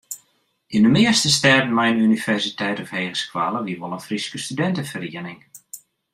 Yn de measte stêden mei in universiteit of hegeskoalle wie wol in Fryske studinteferiening.